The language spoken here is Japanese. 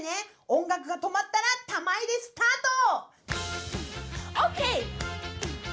音楽が止まったら玉入れスタート！